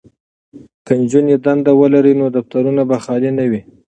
که نجونې دندې ولري نو دفترونه به خالي نه وي.